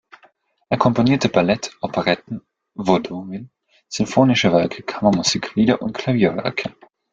Er komponierte Ballette, Operetten, Vaudevilles, sinfonische Werke, Kammermusik, Lieder und Klavierwerke.